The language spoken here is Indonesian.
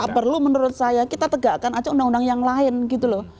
perlu menurut saya kita tegakkan aja undang undang yang lain gitu loh